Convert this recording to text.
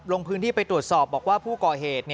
ลงพื้นที่ไปตรวจสอบบอกว่าผู้ก่อเหตุ